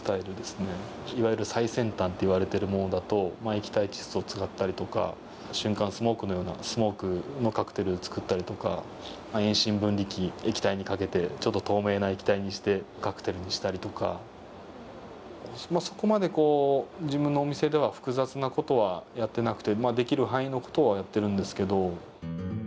いわゆる最先端っていわれてるものだと液体窒素を使ったりとか瞬間スモークのようなスモークのカクテルを作ったりとか遠心分離機液体にかけてちょっと透明な液体にしてカクテルにしたりとかそこまでこう自分のお店では複雑なことはやってなくてできる範囲のことをやってるんですけど。